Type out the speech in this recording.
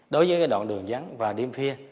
đối với cái đoạn đường dắn và đêm phia